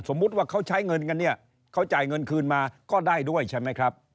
สมมุติว่าเขาใช้เงินกันเนี่ยเขาจ่ายเงินคืนมาก็ได้ด้วยใช่ไหมครับ